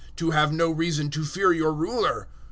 to have no reason to fear your ruler.